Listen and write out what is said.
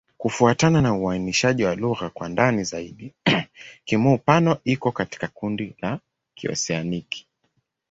Kufuatana na uainishaji wa lugha kwa ndani zaidi, Kimur-Pano iko katika kundi la Kioseaniki.